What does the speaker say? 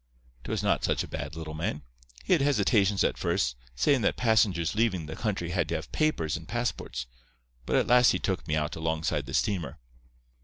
"'Twas not such a bad little man. He had hesitations at first, sayin' that passengers leavin' the country had to have papers and passports, but at last he took me out alongside the steamer.